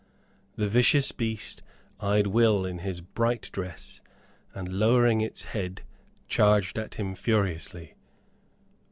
The vicious beast eyed Will in his bright dress, and, lowering its head, charged at him furiously.